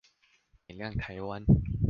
點亮台灣